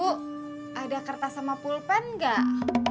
bu ada kertas sama pulpen nggak